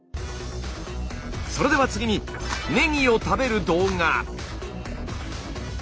それでは次にねぎを食べる動画。